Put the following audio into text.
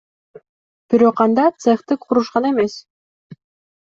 Бирок анда цехти курушкан эмес.